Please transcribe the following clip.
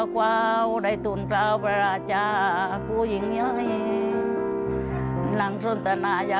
ก็มีชั้น